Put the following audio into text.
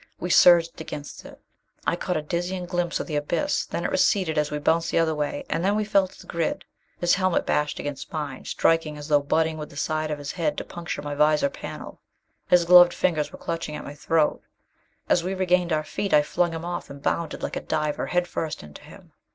We surged against it. I caught a dizzying glimpse of the abyss. Then it receded as we bounced the other way. And then we fell to the grid. His helmet bashed against mine, striking as though butting with the side of his head to puncture my visor panel. His gloved fingers were clutching at my throat. As we regained our feet, I flung him off, and bounded like a diver, head first, into him.